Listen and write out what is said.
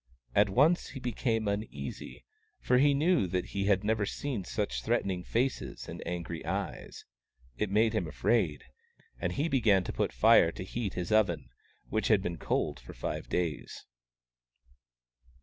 At once he became uneasy, for he knew that he had never seen such threatening faces and angry eyes. It made him afraid, and he began to put Fire to heat his oven, which had been cold for five days.